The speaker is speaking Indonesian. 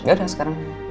gak ada sekarang